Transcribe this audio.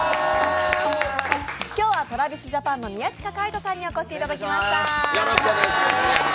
今日はＴｒａｖｉｓＪａｐａｎの宮近海斗さんにお越しいただきました。